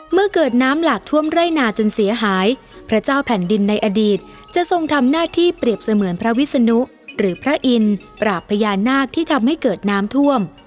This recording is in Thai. เมื่อเกิดน้ำหลากท่วมไร่นาจนเสียหายพระเจ้าแผ่นดินในอดีตจะทรงทำหน้าที่เปรียบเสมือนพระวิศนุหรือพระอินทร์ปราบพญานาคที่ทำให้เกิดน้ำท่วม